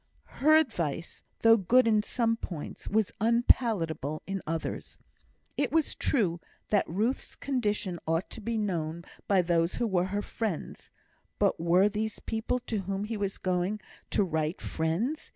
Her advice, though good in some points, was unpalatable in others. It was true that Ruth's condition ought to be known by those who were her friends; but were these people to whom he was now going to write, friends?